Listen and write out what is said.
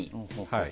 はい。